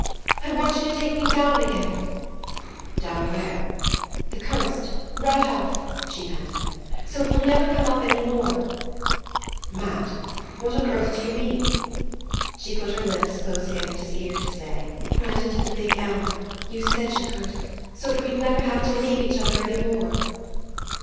I want you to take me down again!" "Down where?" "The coast. Right off," she panted. "So 't we'll never come up any more." "Matt! What on earth do you mean?" She put her lips close against his ear to say: "Right into the big elm. You said you could. So 't we'd never have to leave each other any more."